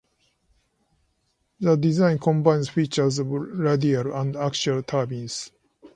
The design combines features of radial and axial turbines.